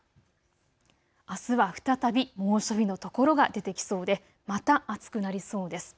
あすは再び猛暑日の所が出てきそうでまた暑くなりそうです。